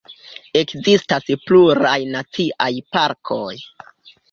Ekzistas pluraj naciaj parkoj.